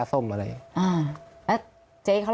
พี่พร้อมทิพย์คิดว่าคุณพิชิตคิดว่าคุณพิชิตคิด